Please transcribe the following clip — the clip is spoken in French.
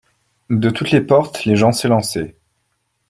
De toutes les portes les gens s'élançaient.